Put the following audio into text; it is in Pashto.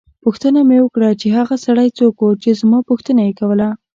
پوښتنه مې وکړه چې هغه سړی څوک وو چې زما پوښتنه یې کوله.